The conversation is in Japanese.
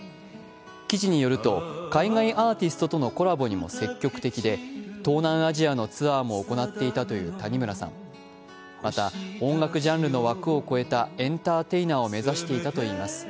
記事によると、海外アーティストのコラボにも積極的で東南アジアのツアーも行っていたという谷村さん、また、音楽ジャンルの枠を超えたエンターテイナーを目指していたといいます。